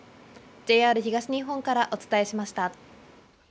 ＪＲ東日本からお伝えしました。